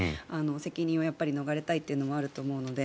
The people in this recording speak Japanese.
責任は逃れたいというのもあると思うので。